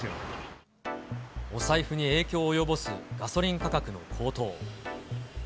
お財布に影響を及ぼすガソリン価格の高騰。